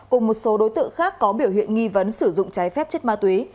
cùng một số đối tượng khác có biểu hiện nghi vấn sử dụng trái phép chất ma túy